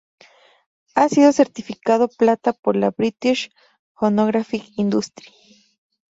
Ha sido certificado plata por la British Phonographic Industry.